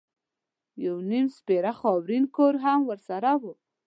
یو نیم سپېره خاورین کور هم ورسره و.